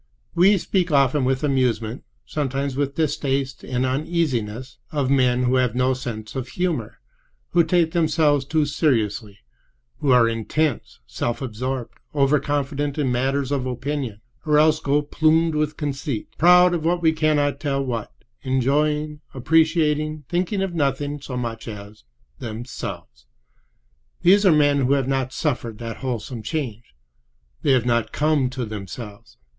We speak often with amusement, sometimes with distaste and uneasiness, of men who "have no sense of humor," who take themselves too seriously, who are intense, self absorbed, over confident in matters of opinion, or else go plumed with conceit, proud of we cannot tell what, enjoying, appreciating, thinking of nothing so much as themselves. These are men who have not suffered that wholesome change. They have not come to themselves.